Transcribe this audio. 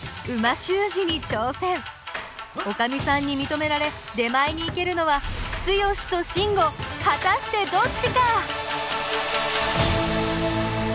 おかみさんにみとめられ出前に行けるのはツヨシとシンゴ果たしてどっちか！？